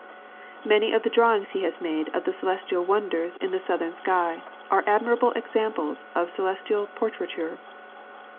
Many of the drawings he has made of the celestial wonders in the southern sky are admirable examples of celestial portraiture.